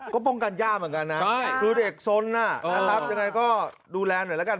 ก็ป้องกันย่าเหมือนกันนะคือเด็กสนนะครับยังไงก็ดูแลหน่อยแล้วกัน